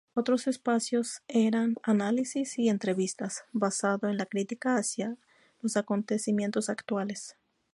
Otros espacios eran "Análisis y entrevistas", basado en la crítica hacia los acontecimientos actuales.